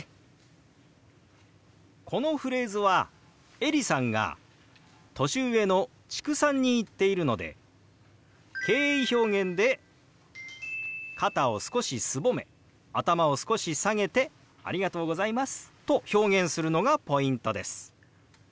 このフレーズはエリさんが年上の知久さんに言っているので敬意表現で肩を少しすぼめ頭を少し下げて「ありがとうございます」と表現するのがポイントです。